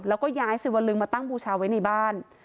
แล้วก็ย้ายสิวลึงมาตั้งบูชาไว้ในบ้าน